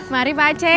mari pak ceng